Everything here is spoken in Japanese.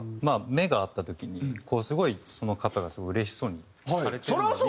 目が合った時にすごいその方がうれしそうにされてるのを。